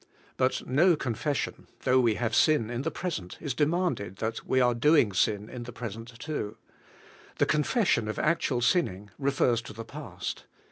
But no confession, though we have sin in the present, is demanded that we are doing sin in the present too; the confession of actual sinning refers to the past.